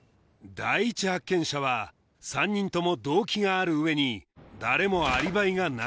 第一発見者は３人とも動機がある上に誰もアリバイがなかった